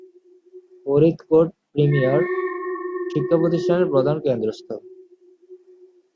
Faridkot premier শিক্ষাপ্রতিষ্ঠানের প্রধান কেন্দ্রস্থল।